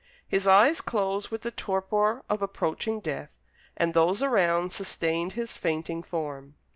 His eyes closed with the torpor of approaching death, and those around sustained his fainting form.